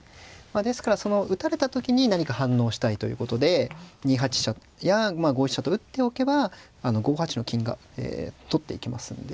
ですからその打たれた時に何か反応したいということで２八飛車や５一飛車と打っておけば５八の金が取っていけますので。